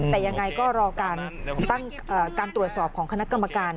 แต่ยังไงก็รอการตั้งการตรวจสอบของคณะกรรมการ